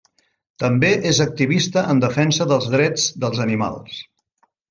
També és activista en defensa dels drets dels animals.